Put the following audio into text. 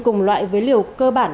cùng loại với liều cơ bản